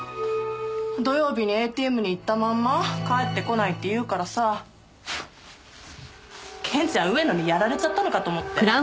土曜日にＡＴＭに行ったまんま帰ってこないって言うからさケンちゃん上野にやられちゃったのかと思って。